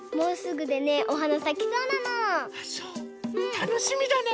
たのしみだね。